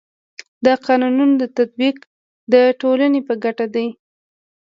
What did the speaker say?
د قانونو تطبیق د ټولني په ګټه دی.